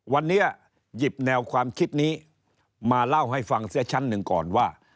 วันนี้หยิบแนวความคิดนี้มาเล่าให้ฟังเสียชั้นหนึ่งก่อนว่า